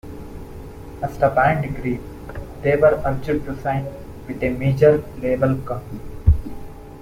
As the band grew, they were urged to sign with a major label company.